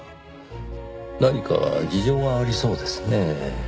何か事情がありそうですねぇ。